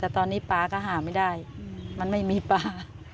แต่ตอนนี้ป๊าก็หาไม่ได้มันไม่มีปลา